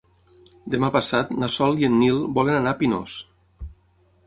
Demà passat na Sol i en Nil volen anar a Pinós.